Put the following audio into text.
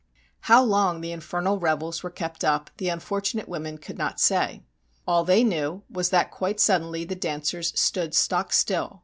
How long the infernal revels were kept up the unfortunate women could not say. All they knew was that quite suddenly the dancers stood stock still.